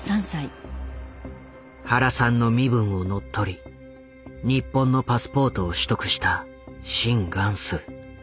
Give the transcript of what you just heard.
原さんの身分を乗っ取り日本のパスポートを取得したシン・グァンス。